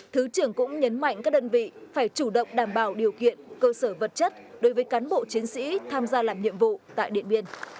thứ trưởng cũng nhấn mạnh các đơn vị phải chủ động đảm bảo điều kiện cơ sở vật chất đối với cán bộ chiến sĩ tham gia làm nhiệm vụ tại điện biên